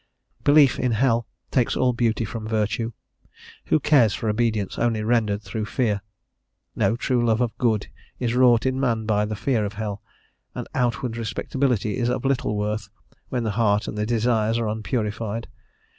Belief in hell takes all beauty from virtue; who cares for obedience only rendered through fear? No true love of good is wrought in man by the fear of hell, and outward respectability is of little worth when the heart and the desires are unpurified.